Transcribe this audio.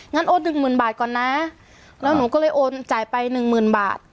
โอนหนึ่งหมื่นบาทก่อนนะแล้วหนูก็เลยโอนจ่ายไปหนึ่งหมื่นบาท